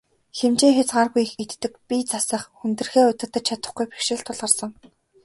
Хэмжээ хязгааргүй их иддэг, бие засах, хүндрэхээ удирдаж чадахгүй бэрхшээл тулгарсан.